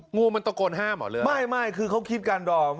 งูมันตะโกนห้ามเหรอไม่ไม่คือเขาคิดกันดอม